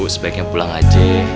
sebaiknya pulang aja